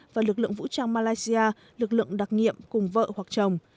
và lực lượng vũ trang malaysia lực lượng đặc nhiệm cùng vợ hoặc chồng